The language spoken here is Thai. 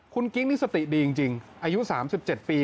คุณกิ๊กนี่สติดีจริงอายุ๓๗ปี